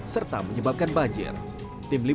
serta menyebabkan banjir yang terjadi di indonesia